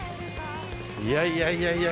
いやいやいやいや。